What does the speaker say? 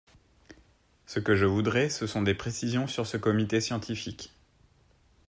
Ce que je voudrais, ce sont des précisions sur ce comité scientifique.